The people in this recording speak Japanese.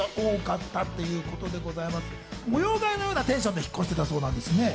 模様替えのようなテンションで引っ越していたということなんです。